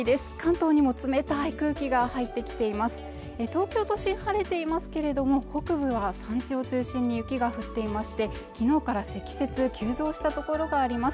東京都心晴れてますけれども北部は山地を中心に雪が降っていましてきのうから積雪急増したところがあります